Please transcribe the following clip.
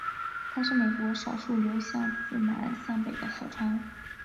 它是美国少数流向自南向北的河川。